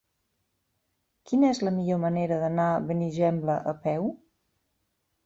Quina és la millor manera d'anar a Benigembla a peu?